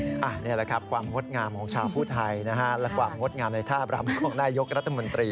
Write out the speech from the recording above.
นี่แหละครับความงดงามของชาวผู้ไทยนะฮะและความงดงามในท่าบรำของนายยกรัฐมนตรี